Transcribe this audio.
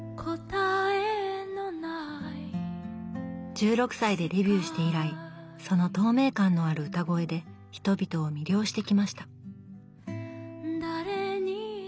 １６歳でデビューして以来その透明感のある歌声で人々を魅了してきました